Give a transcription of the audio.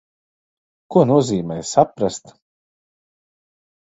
Ko nozīmē saprast?